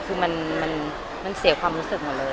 คือมันเสียความรู้สึกหมดเลย